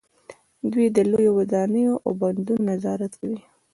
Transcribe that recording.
دوی د لویو ودانیو او بندونو نظارت کوي.